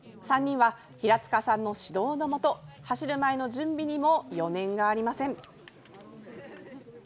３人は平塚さんの指導のもと走る前の準備にも余念がありません。